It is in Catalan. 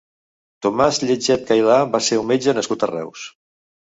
Tomàs Lletget Cailà va ser un metge nascut a Reus.